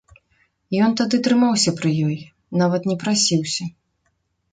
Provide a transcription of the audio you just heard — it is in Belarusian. Ён тады трымаўся пры ёй, нават не прасіўся.